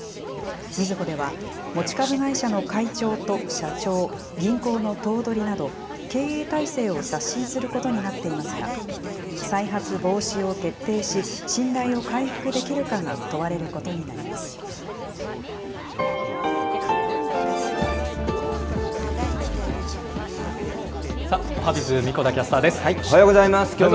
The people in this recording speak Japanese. みずほでは、持ち株会社の会長と社長、銀行の頭取など、経営体制を刷新することになっていますが、再発防止を徹底し、信頼を回復できるかが問われることになります。